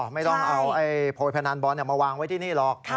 ไม่ต้องเอาโพยพนันบอลมาวางไว้ที่นี่หรอก